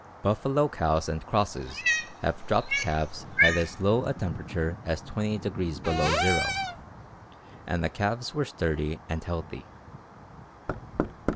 Buffalo cows and crosses have dropped calves at as low a temperature as 20° below zero, and the calves were sturdy and healthy.